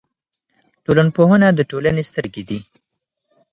ټولنپوهنه د ټولنې سترګې دي.